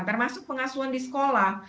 termasuk pengasuhan di sekolah